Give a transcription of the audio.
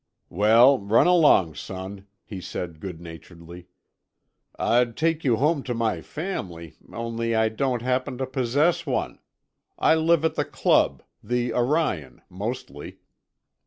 "Well, run along, son," he said good naturedly. "I'd take you home to my family, only I don't happen to possess one. I live at the club—the Arion—mostly."